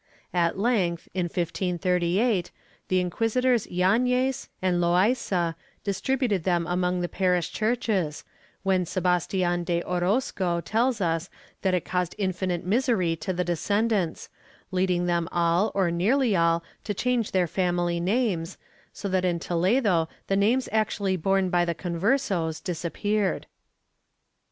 At length, in 1538, the inquisitors Yanez and Loaysa distributed them among the parish churches, when Sebastian de Orozco tells us that it caused infinite misery to the descendants, leading them all or nearly all to change their family names, so that in Toledo the names actually borne by the Converses disappeared.